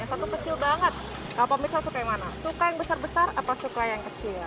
yang satu kecil banget pemirsa suka yang mana suka yang besar besar apa suka yang kecil